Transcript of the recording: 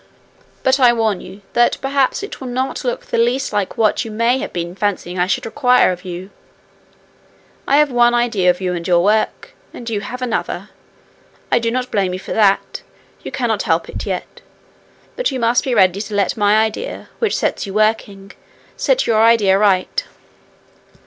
But I warn you that perhaps it will not look the least like what you may have been fancying I should require of you. I have one idea of you and your work, and you have another. I do not blame you for that you cannot help it yet; but you must be ready to let my idea, which sets you working, set your idea right.